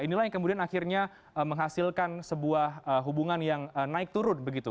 inilah yang kemudian akhirnya menghasilkan sebuah hubungan yang naik turun begitu